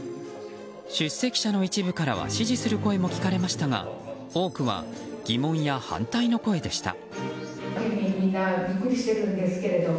出席者の一部からは支持する声も聞かれましたが多くは疑問や反対の声でした。